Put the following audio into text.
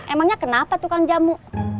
emangnya kenapa tukang jamu